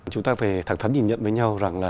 chúng ta phải thẳng thắn nhìn nhận với nhau rằng là